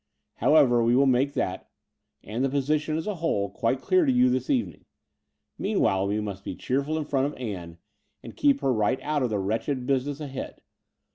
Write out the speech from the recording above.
However, we will make that, and the position as a whole, quite dear to you this evening. Meanwhile, we must be cheerful in front of Ann, and keep her right out of the wretched business ahead.